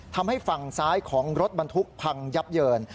ทำให้ฝั่งซ้ายของรถบรรทุกพังยับเยิน